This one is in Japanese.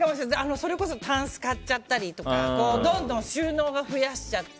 それこそ、タンス買っちゃったりどんどん収納を増やしちゃって。